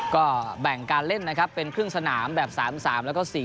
ก็แบ่งการเล่นนะครับเป็นครึ่งสนามแบบ๓๓แล้วก็๔๐